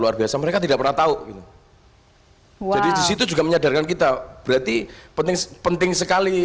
luar biasa mereka tidak pernah tahu itu juga menyadarkan kita berarti penting penting sekali